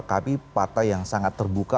kami partai yang sangat terbuka